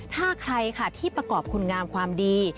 ถ้าใครค่ะที่ประกอบคุณงามความดี